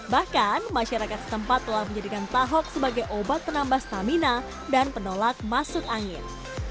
bahkan masyarakat setempat telah menjadikan tahok sebagai obat penambah stamina dan penolak masuk angin